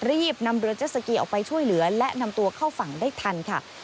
รีบนำเรือเจ็ดสกีออกไปช่วยเหลือและนำตัวเข้าฝั่งได้ทันค่ะ